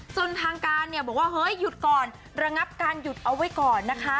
ทางการเนี่ยบอกว่าเฮ้ยหยุดก่อนระงับการหยุดเอาไว้ก่อนนะคะ